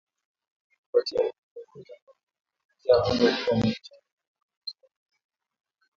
Kufuatia kuingizwa kwa Jamuhuri ya Kidemokrasia ya Kongo kuwa mwanachama mpya katika jumuiya hiyo